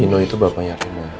nino itu bapaknya rena